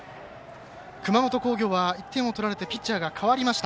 熊本工業は１点を取られてピッチャーが代わりました。